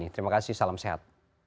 terima kasih salam sehat